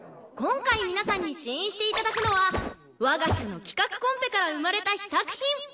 今回皆さんに試飲して頂くのは我が社の企画コンペから生まれた試作品！